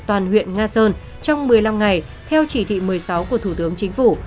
toàn huyện nga sơn trong một mươi năm ngày theo chỉ thị một mươi sáu của thủ tướng chính phủ